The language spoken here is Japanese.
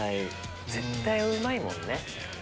絶対うまいもんね。